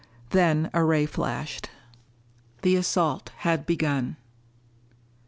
Then a ray flashed. The assault had begun!